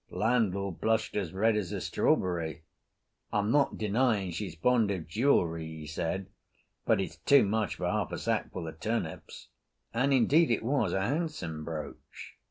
Landlord blushed as red as a strawberry. "I'm not denying she's fond of jewellery," he said, "but it's too much for half a sackful of turnips." And indeed it was a handsome brooch.